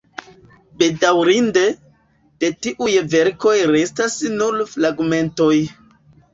Bedaŭrinde, de tiuj verkoj restas nur fragmentoj.